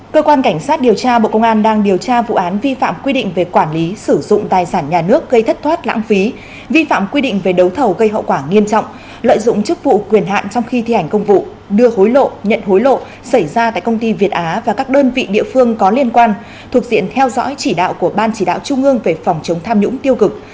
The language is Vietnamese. cơ quan cảnh sát điều tra bộ công an đang điều tra vụ án vi phạm quy định về quản lý sử dụng tài sản nhà nước gây thất thoát lãng phí vi phạm quy định về đấu thầu gây hậu quả nghiêm trọng lợi dụng chức vụ quyền hạn trong khi thi hành công vụ đưa hối lộ nhận hối lộ xảy ra tại công ty việt á và các đơn vị địa phương có liên quan thuộc diện theo dõi chỉ đạo của ban chỉ đạo trung ương về phòng chống tham nhũng tiêu cực